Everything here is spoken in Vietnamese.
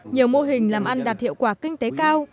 nhiều mô hình làm ăn đạt hiệu quả kinh tế cao